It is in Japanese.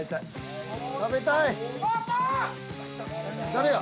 誰や？